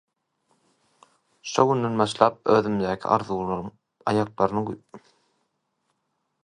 Şol günden başlap, özümdäki arzuwymyň aýaklaryny güýlüp, ganatlaryny gyrkyp başlanymy häzir bilýän.